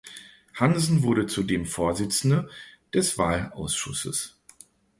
Hansen wurde zudem Vorsitzende des Wahlausschusses.